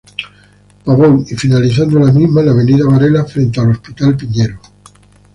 Pavón; y finalizando la misma en la Avenida Varela frente al Hospital Piñero.